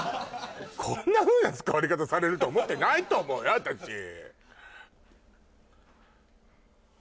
こんなふうな使われ方されると思ってないと思うよ